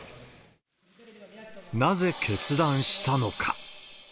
なぜ決断したのか。